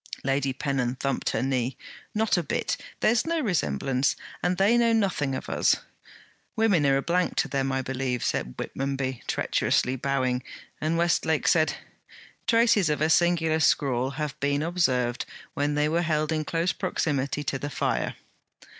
Lady Pennon thumped her knee. 'Not a bit. There's no resemblance, and they know nothing of us.' 'Women are a blank to them, I believe,' said Whitmonby, treacherously bowing; and Westlake said: 'Traces of a singular scrawl have been observed when they were held in close proximity to the fire.'